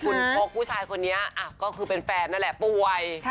คุณพกผู้ชายคนนี้ก็คือเป็นแฟนนั่นแหละป่วย